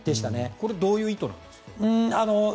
これはどういう意図なんですか。